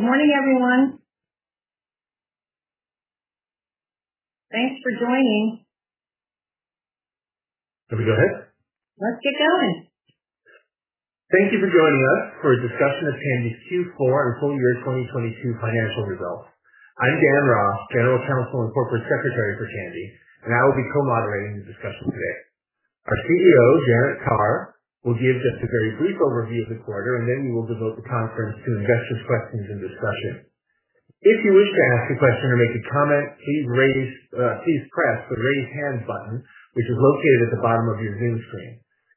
Good morning, everyone. Thanks for joining. Can we go ahead? Let's get going. Thank you for joining us for a discussion of Tandy's Q4 and full year 2022 financial results. I'm Dan Ross, General Counsel and Corporate Secretary for Tandy, I will be co-moderating the discussion today. Our CEO, Janet Carr, will give just a very brief overview of the quarter, then we will devote the conference to investors questions and discussion. If you wish to ask a question or make a comment, please press the Raise Hand button, which is located at the bottom of your Zoom screen.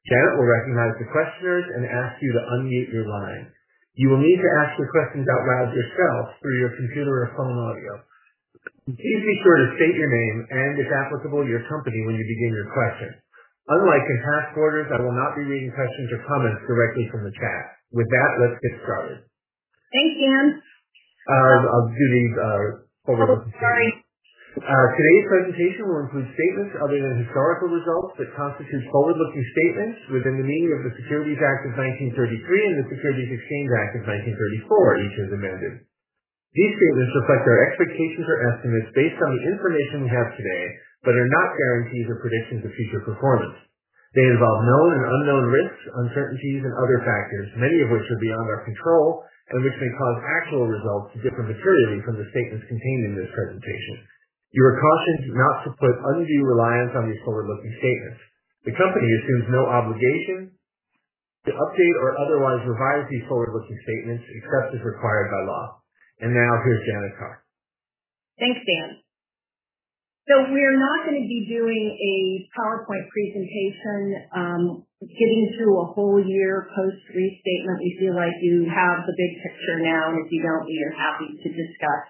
Janet will recognize the questioners and ask you to unmute your line. You will need to ask your questions out loud yourself through your computer or phone audio. Please be sure to state your name and, if applicable, your company when you begin your question. Unlike in past quarters, I will not be reading questions or comments directly from the chat. With that, let's get started. Thanks, Dan. I'll do these. Oh, sorry. Today's presentation will include statements other than historical results that constitute forward-looking statements within the meaning of the Securities Act of 1933 and the Securities Exchange Act of 1934, each as amended. These statements reflect our expectations or estimates based on the information we have today, but are not guarantees or predictions of future performance. They involve known and unknown risks, uncertainties and other factors, many of which are beyond our control and which may cause actual results to differ materially from the statements contained in this presentation. You are cautioned not to put undue reliance on these forward-looking statements. The company assumes no obligation to update or otherwise revise these forward-looking statements except as required by law. Now, here's Janet Carr. Thanks, Dan. We're not gonna be doing a PowerPoint presentation, getting through a whole year post restatement. We feel like you have the big picture now. If you don't, we are happy to discuss.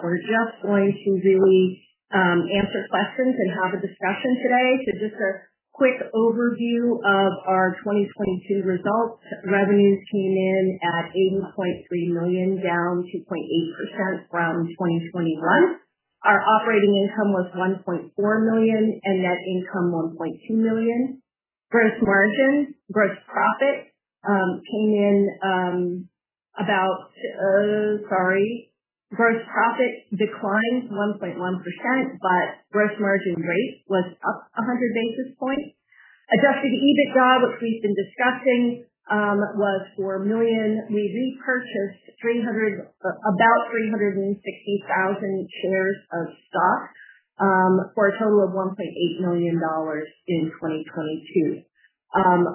We're just going to really answer questions and have a discussion today. Just a quick overview of our 2022 results. Revenues came in at $80.3 million, down 2.8% from 2021. Our operating income was $1.4 million and net income $1.2 million. Gross profit. Sorry. Gross profit declined 1.1%, but gross margin rate was up 100 basis points. Adjusted EBITDA, which we've been discussing, was $4 million. We repurchased about 360,000 shares of stock, for a total of $1.8 million in 2022.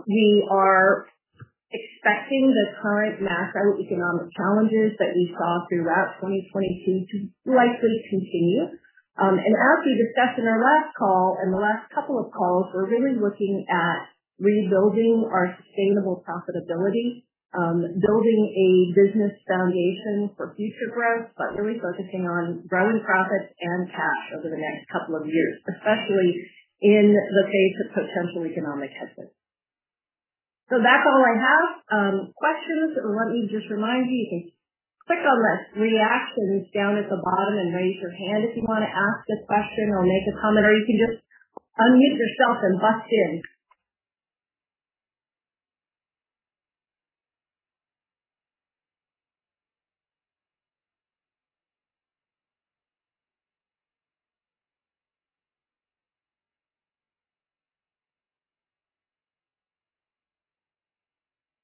We are expecting the current macroeconomic challenges that we saw throughout 2022 to likely continue. As we discussed in our last call and the last couple of calls, we're really looking at rebuilding our sustainable profitability, building a business foundation for future growth, but really focusing on growing profits and cash over the next couple of years, especially in the face of potential economic headsets. That's all I have. Questions. Let me just remind you can click on the reactions down at the bottom and raise your hand if you wanna ask a question or make a comment. Or you can just unmute yourself and bust in.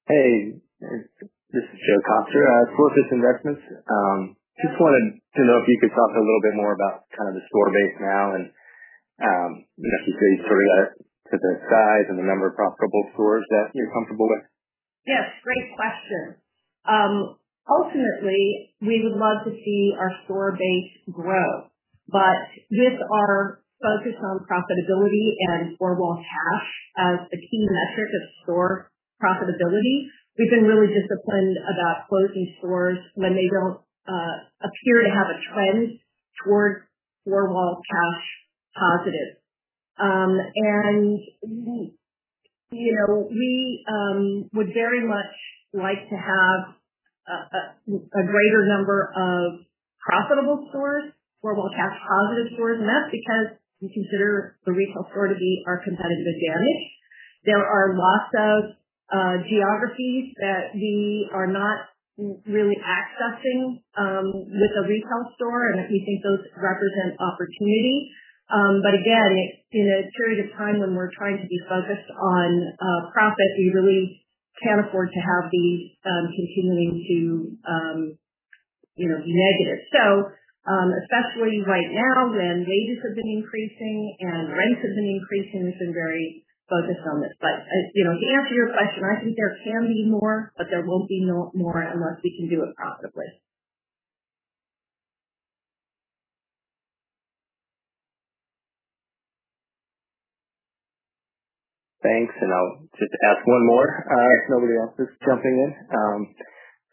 Hey, this is Joe Coster at Fortress Investments. Just wanted to know if you could talk a little bit more about kind of the store base now and, you know, if you could sort of the size and the number of profitable stores that you're comfortable with. Yes, great question. Ultimately, we would love to see our store base grow. With our focus on profitability and four-wall cash as a key metric of store profitability, we've been really disciplined about closing stores when they don't appear to have a trend towards four-wall cash positive. You know, we would very much like to have a greater number of profitable stores, four-wall cash positive stores, and that's because we consider the retail store to be our competitive advantage. There are lots of geographies that we are not really accessing with a retail store, and we think those represent opportunity. Again, in a period of time when we're trying to be focused on profit, we really can't afford to have these continuing to, you know, be negative. Especially right now when wages have been increasing and rents have been increasing, we've been very focused on this. You know, to answer your question, I think there can be more, but there won't be more unless we can do it profitably. Thanks. I'll just ask one more if nobody else is jumping in.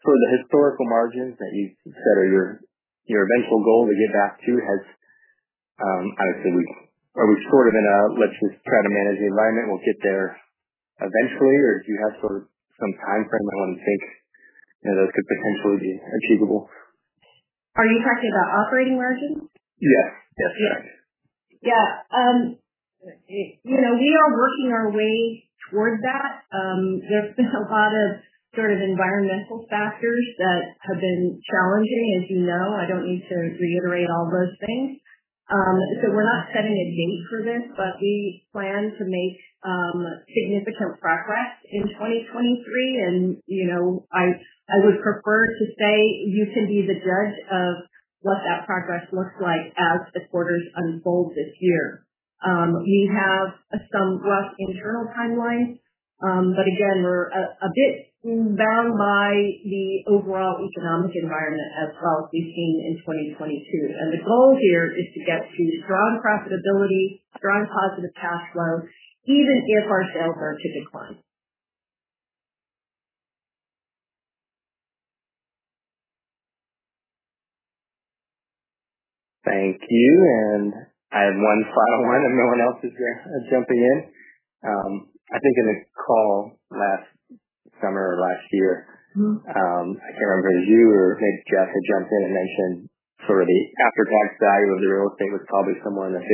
The historical margins that you said are your eventual goal to get back to, how do you say? Are we sort of in a let's just try to manage the environment, we'll get there eventually or do you have sort of some timeframe on when you think, you know, those could potentially be achievable? Are you talking about operating margins? Yes. Yes. Yeah. you know, we are working our way towards that. There's been a lot of sort of environmental factors that have been challenging, as you know. I don't need to reiterate all those things. We're not setting a date for this, but we plan to make significant progress in 2023. I would prefer to say you can be the judge of what that progress looks like as the quarters unfold this year. We have some rough internal timelines. Again, we're a bit bound by the overall economic environment as well as we've seen in 2022. The goal here is to get to strong profitability, strong positive cash flow, even if our sales are to decline. Thank you. I have one final one, and no one else is jumping in. I think in the call last summer or last year. Mm-hmm. I can't remember if it was you or maybe Jeff had jumped in and mentioned sort of the after-tax value of the real estate was probably somewhere in the $15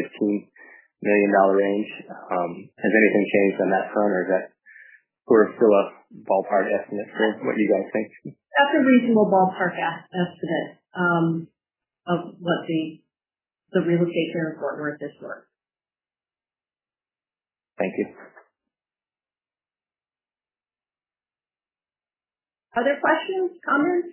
million range. Has anything changed on that front or is that sort of still a ballpark estimate for what you guys think? That's a reasonable ballpark estimate, of what the relocation of Fort Worth is worth. Thank you. Other questions, comments?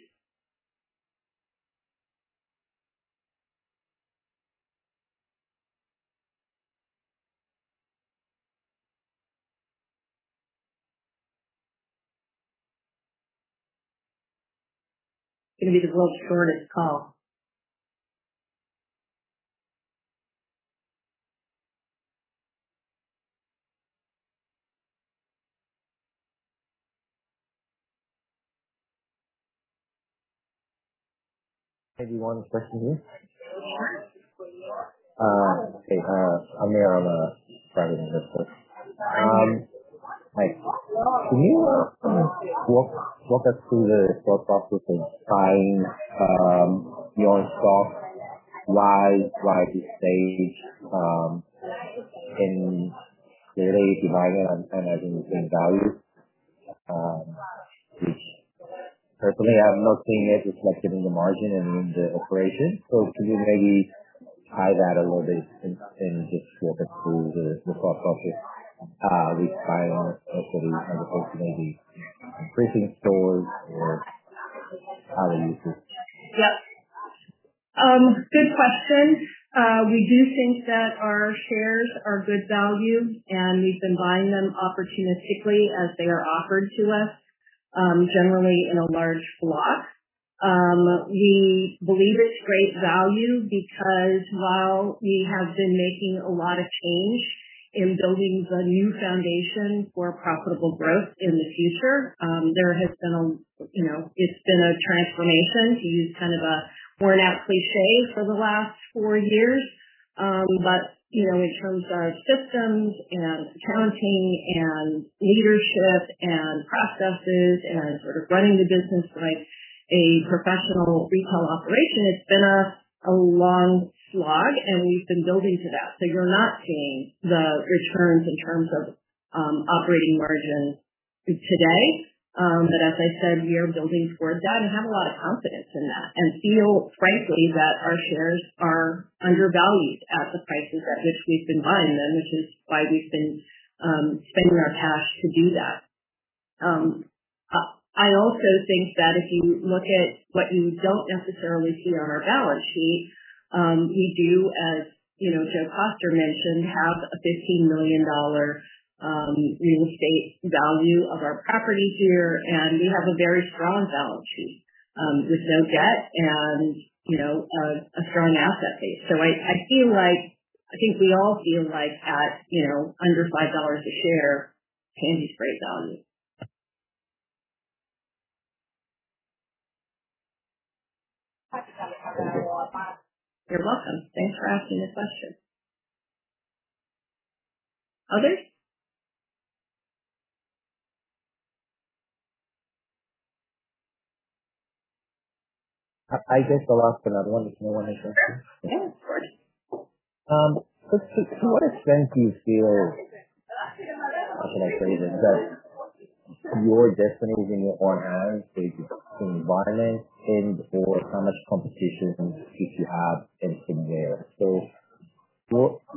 Going to be the world's shortest call. Hey, do you want a question here? Sure. Okay. Amir of Dragon Capital. Hi. Can you walk us through the thought process of buying your own stock? Why, why this stage, and really dividing on, I think the same value, which personally I'm not seeing it reflected in the margin and in the operations? Can you maybe tie that a little bit in just walk us through the thought process behind our hopefully as opposed to maybe increasing the stores or how do you see it? Yeah. Good question. We do think that our shares are good value, and we've been buying them opportunistically as they are offered to us, generally in a large block. We believe it's great value because while we have been making a lot of change in building the new foundation for profitable growth in the future. You know, it's been a transformation to use kind of a worn out cliché for the last four years. You know, in terms of systems and accounting and leadership and processes and sort of running the business like a professional retail operation, it's been a long slog and we've been building to that. You're not seeing the returns in terms of operating margins today. As I said, we are building towards that and have a lot of confidence in that and feel frankly, that our shares are undervalued at the prices at which we've been buying them, which is why we've been spending our cash to do that. I also think that if you look at what you don't necessarily see on our balance sheet, we do, as you know, Joe Costner mentioned, have a $15 million real estate value of our property here, and we have a very strong balance sheet with no debt and, you know, a strong asset base. So I feel like I think we all feel like at, you know, under $5 a share, Tandy's great value. Thank you. You're welcome. Thanks for asking the question. Others? I guess I'll ask another one if no one else does. Yeah, of course. To what extent do you feel, how can I say this, that your destiny is in your own hands based on environment and/or how much competition do you have and from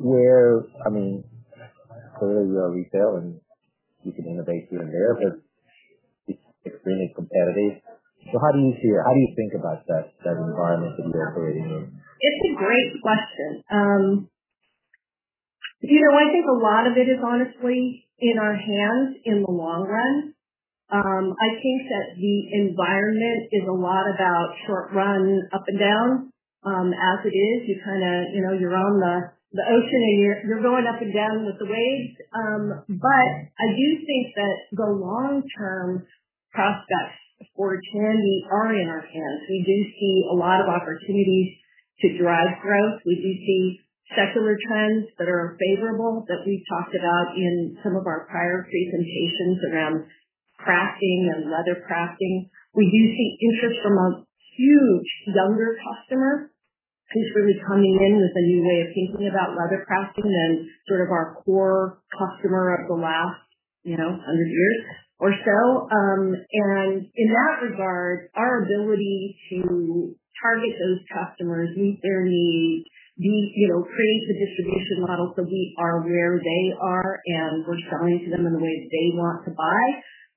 where? I mean, clearly you are retail and you can innovate here and there, but it's extremely competitive. How do you see or how do you think about that environment that you're operating in? It's a great question. you know, I think a lot of it is honestly in our hands in the long run. I think that the environment is a lot about short run up and down, as it is. You kind of, you know, you're on the ocean and you're going up and down with the waves. I do think that the long-term prospects for Tandy are in our hands. We do see a lot of opportunities to drive growth. We do see secular trends that are favorable that we've talked about in some of our prior presentations around crafting and leather crafting. We do see interest from a huge younger customer who's really coming in with a new way of thinking about leather crafting than sort of our core customer of the last, you know, 100 years or so. In that regard, our ability to target those customers, meet their needs, meet, you know, create the distribution model so we are where they are and we're selling to them in the way that they want to buy.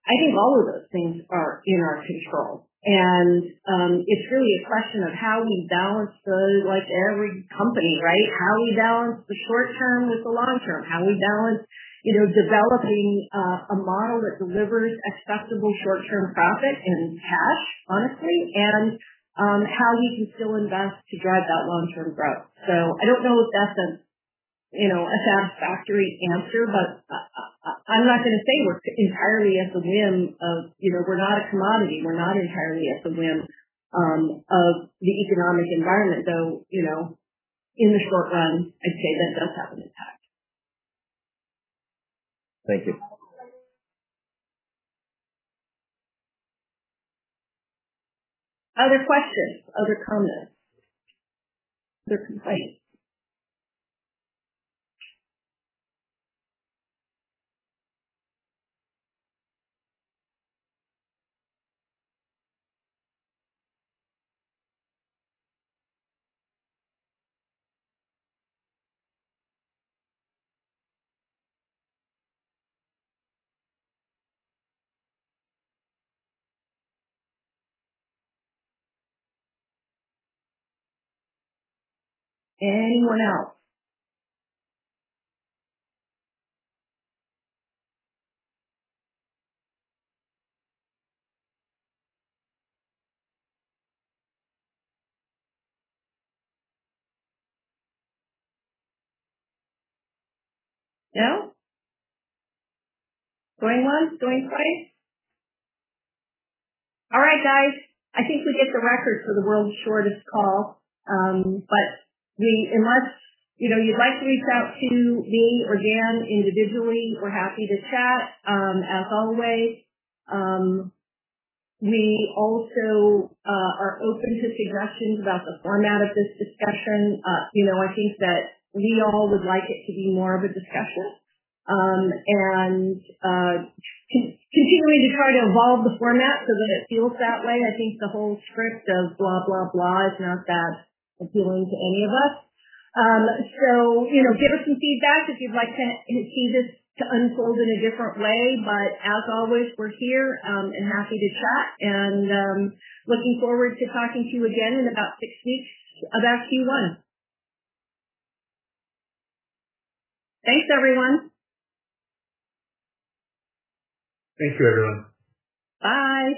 I think all of those things are in our control. It's really a question of how we balance. Like every company, right? How we balance the short term with the long term, how we balance, you know, developing a model that delivers acceptable short term profit and cash, honestly, and how we can still invest to drive that long term growth. I don't know if that's a, you know, a satisfactory answer, but I'm not gonna say we're entirely at the whim of, you know, we're not a commodity. We're not entirely at the whim of the economic environment, though, you know, in the short run, I'd say that does have an impact. Thank you. Other questions, other comments. Other complaints. Anyone else? No. Going once, going twice. All right, guys, I think we get the record for the world's shortest call. Unless, you know, you'd like to reach out to me or Dan individually, we're happy to chat as always. We also are open to suggestions about the format of this discussion. You know, I think that we all would like it to be more of a discussion, and continuing to try to evolve the format so that it feels that way. I think the whole script of blah, blah is not that appealing to any of us. You know, give us some feedback if you'd like to see this unfold in a different way. As always, we're here, and happy to chat. Looking forward to talking to you again in about six weeks about Q1. Thanks, everyone. Thank you, everyone. Bye.